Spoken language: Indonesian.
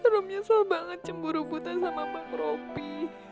rum nyesel banget cemburu buta sama bang robi